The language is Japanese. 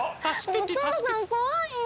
お父さん怖いよ！